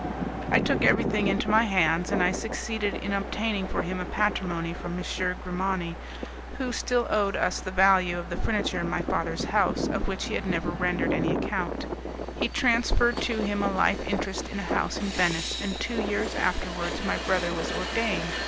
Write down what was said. I took everything into my hands, and I succeeded in obtaining for him a patrimony from M. Grimani, who still owed us the value of the furniture in my father's house, of which he had never rendered any account. He transferred to him a life interest in a house in Venice, and two years afterwards my brother was ordained.